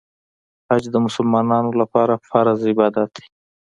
حج د مسلمانانو لپاره فرض عبادت دی.